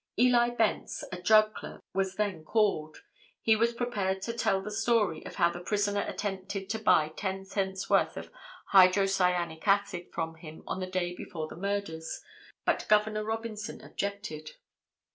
'" Eli Bence, a drug clerk, was then called. He was prepared to tell the story of how the prisoner attempted to buy ten cents worth of hydrocianic acid from him on the day before the murders, but Gov. Robinson objected.